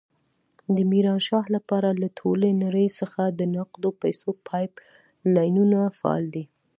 د ميرانشاه لپاره له ټولې نړۍ څخه د نقدو پيسو پایپ لاینونه فعال دي.